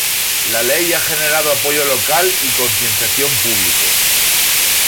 La ley ha generado apoyo local y concienciación público.